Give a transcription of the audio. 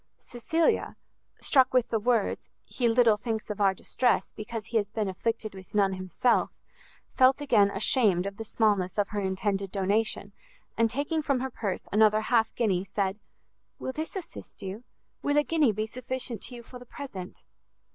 Cecilia, struck with the words, he little thinks of our distress, because he has been afflicted with none himself, felt again ashamed of the smallness of her intended donation, and taking from her purse another half guinea, said, "Will this assist you? Will a guinea be sufficient to you for the present?"